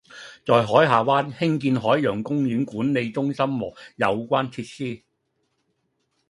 在海下灣興建海洋公園管理中心和有關設施